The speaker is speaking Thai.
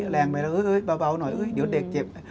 แรงไปแล้วเบาหน่อยเดี๋ยวเด็กเจ็บ